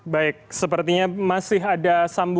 baik sepertinya masih ada